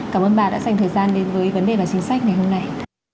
cảm ơn bà đã dành thời gian đến với vấn đề và chính sách ngày hôm nay